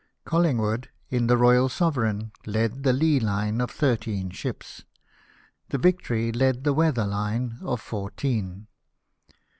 Collingwood, in the Royal Sovereign, led the lee hne of thirteen ships ; the Victory led the weather line of fourteen.